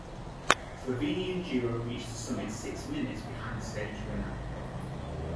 Slovenian duo reached the summit six minutes behind the stage winner.